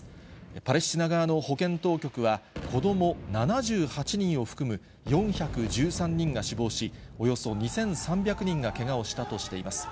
パレスチナ側の保健当局は、子ども７８人を含む４１３人が死亡し、およそ２３００人がけがをしたとしています。